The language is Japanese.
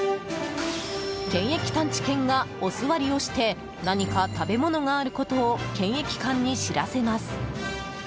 検疫探知犬がお座りをして何か食べ物があることを検疫官に知らせます。